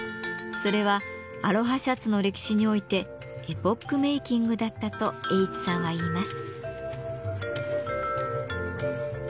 それはアロハシャツの歴史においてエポックメーキングだったと英知さんはいいます。